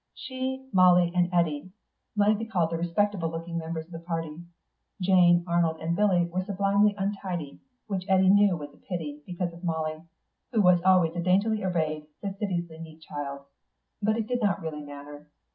She, Molly, and Eddy may be called the respectable looking members of the party; Jane, Arnold, and Billy were sublimely untidy, which Eddy knew was a pity, because of Molly, who was always a daintily arrayed, fastidiously neat child. But it did not really matter.